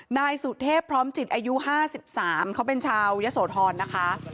นายสุเทพพร้อมจิตอายุ๕๓เขาเป็นชาวยะโสธรนะคะ